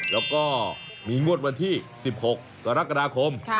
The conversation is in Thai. แล้วก็มีงวดวันที่๑๖กรกฎาคม